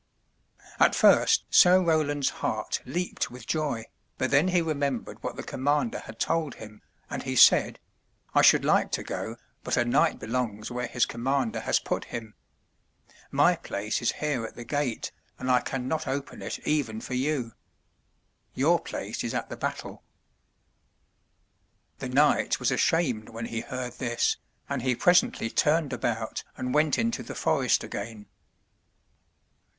At first Sir Roland's heart leaped with joy, but then he re membered what the commander had told him, and he said: "I should like to go, but a knight belongs where his com mander has put him. My place is here at the gate, and I can not open it even for you. Your place is at the battle." The knight was ashamed when he heard this, and he presently turned about and went into the forest again.